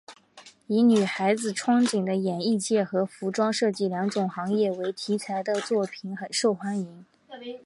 以女孩子憧憬的演艺界和服装设计两种行业为题材的作品很受欢迎。